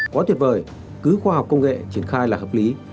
quá tuyệt vời cứ khoa học công nghệ triển khai là hợp lý